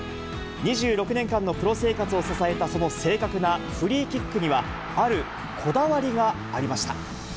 ２６年間のプロ生活を支えた、その正確なフリーキックには、あるこだわりがありました。